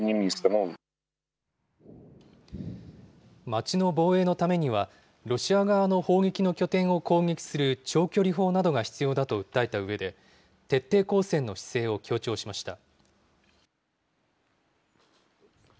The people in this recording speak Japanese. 街の防衛のためには、ロシア側の砲撃の拠点を攻撃する長距離砲などが必要だと訴えたうえで、徹底抗戦の姿勢を強調しました。